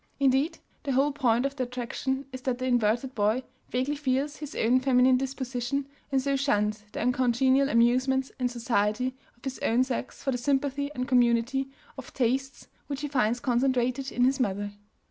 Indeed, the whole point of the attraction is that the inverted boy vaguely feels his own feminine disposition and so shuns the uncongenial amusements and society of his own sex for the sympathy and community of tastes which he finds concentrated in his mother.